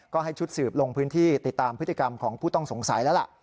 ก็ให้ชุดสืบลงพื้นที่ติดตามพฤติกรรมของผู้ต้องสงสัยแล้วล่ะ